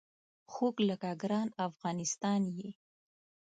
خوږ لکه ګران افغانستان یې